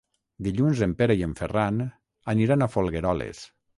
Dilluns en Pere i en Ferran aniran a Folgueroles.